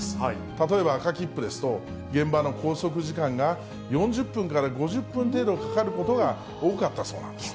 例えば、赤切符ですと、現場の拘束時間が４０分から５０分程度かかることが多かったそうなんです。